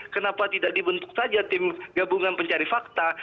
kenapa tidak dibentuk saja tim gabungan pencari fakta